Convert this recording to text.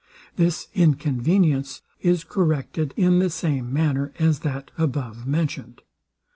This inconvenience is corrected in the same manner as that above mentioned.